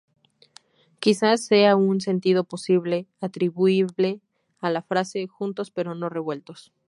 Quizás sea ese un sentido posible atribuible a la frase: "juntos pero no revueltos".